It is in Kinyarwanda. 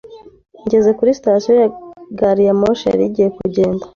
Ngeze kuri sitasiyo, gari ya moshi yari igiye kugenda.